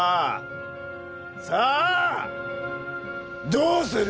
どうする？